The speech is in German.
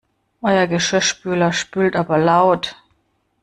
Euer Geschirrspüler spült aber laut!